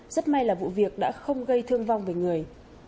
rất may là vụ việc đã không gây thương vong về người